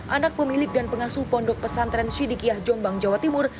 anak pemilik dan pengasuh pondok pesantren sidikiah jombang jawa timur